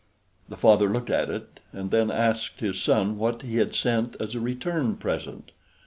The father looked at it, and then asked his son what he had sent as a return present.